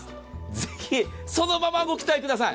ぜひ、そのままご期待ください。